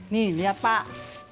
nih liat pak